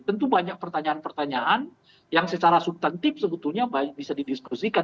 tentu banyak pertanyaan pertanyaan yang secara subtantif sebetulnya bisa didiskusikan